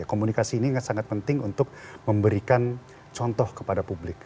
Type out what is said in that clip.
komunikasi ini sangat penting untuk memberikan contoh kepada publik